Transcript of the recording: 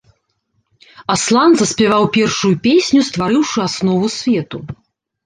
Аслан заспяваў першую песню, стварыўшы аснову свету.